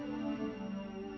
aku sudah berjalan